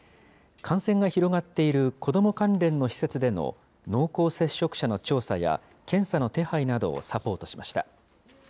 感染が広がっている子ども関連の施設での濃厚接触者の調査や、検査の手配などをサポートしました。